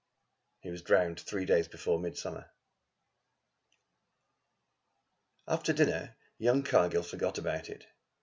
He was drowned three days before Midsummer. After dinner young Cargill forgot about it.